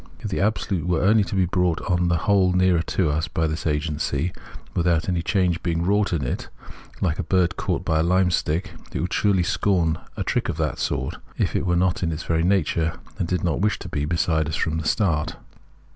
If the Absolute were only to be brought on the whole nearer to us by this agency, without any change being wrought in it, hke a bird caught by a limestick, it would certainly scorn a trick of that sort, if it were not in its very nature, and did it not wish to be, beside us from the start.